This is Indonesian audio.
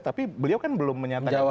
tapi beliau kan belum menyatakan